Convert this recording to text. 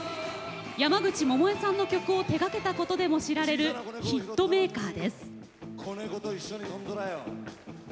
山口百恵さんの曲を手がけたことでも知られるヒットメーカーです。